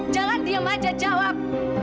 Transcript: jangan diem aja jawab